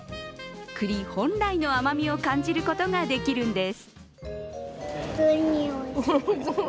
栗本来の甘みを感じることができるんです。